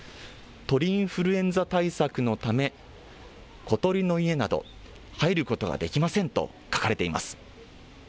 鳥インフルエンザ対策のため、小鳥の家など入ることができません